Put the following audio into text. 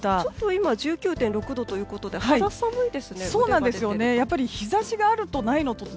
今１９．６度ということで肌寒いですね。